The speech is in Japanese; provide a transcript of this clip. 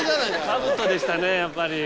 かぶとでしたねやっぱり。